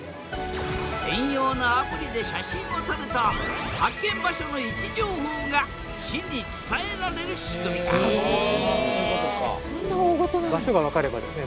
専用のアプリで写真を撮ると発見場所の位置情報が市に伝えられる仕組みだへえ！